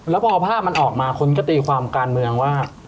แล้วพอภาพมันออกมาคนก็ตีความการเมืองว่า